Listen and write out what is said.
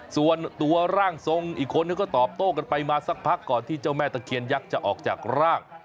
ส่วนตัวร่างทรงอีกคนเขาก็ตอบโต้กันไปมาสักพักก่อนที่เจ้าแม่ตะเคียนยักษ์จะออกจากร่าง